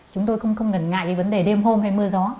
chúng tôi không ngần ngại cái vấn đề đêm hôm hay mưa gió